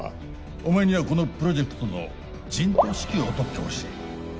お前にはこのプロジェクトの陣頭指揮を執ってほしい。